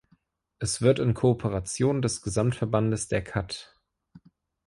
Es wird in Kooperation des Gesamtverbandes der kath.